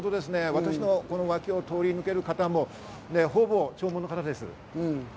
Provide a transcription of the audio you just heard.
私の横を通り抜ける方もほぼ弔問の方です。